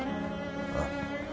ああ。